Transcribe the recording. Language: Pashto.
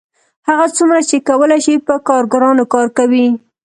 هغه څومره چې کولی شي په کارګرانو کار کوي